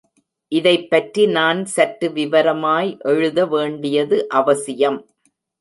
இதைப்பற்றி நான் சற்று விவரமாய் எழுத வேண்டியது அவசியம்.